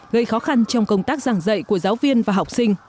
gây khó khăn trong công tác giảng dạy của giáo viên và học sinh